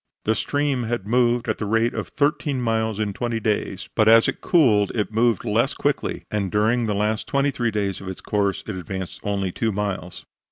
The stream had moved at the rate of thirteen miles in twenty days, but as it cooled it moved less quickly, and during the last twenty three days of its course, it advanced only two miles.